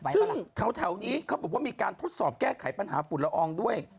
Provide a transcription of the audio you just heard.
ซึ่งแถวนี้เขาบอกว่ามีการทดสอบแก้ไขปัญหาฝุ่นละอองด้วย